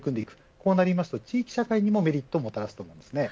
こうなると地域社会にもメリットをもたらすと思います。